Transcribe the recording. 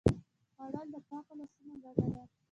خوړل د پاکو لاسونو ګټه ده